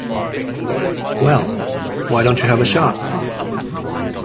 Well, why don't you have a shot?